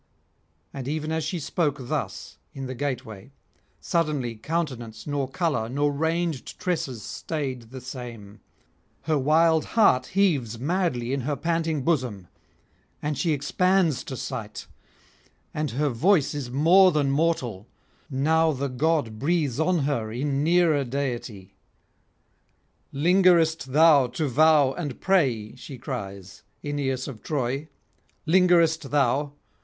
_ And even as she spoke thus in the gateway, suddenly countenance nor colour nor ranged tresses stayed the same; her wild heart heaves madly in her panting bosom; and she expands to sight, and her voice is more than mortal, now the god breathes on her in nearer deity. 'Lingerest thou to vow and pray,' she cries, 'Aeneas of Troy? lingerest thou?